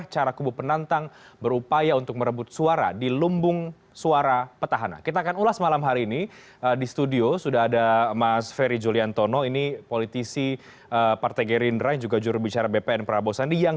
sebelumnya prabowo subianto